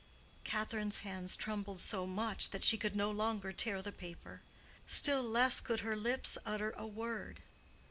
Catherine's hands trembled so much that she could no longer tear the paper: still less could her lips utter a word.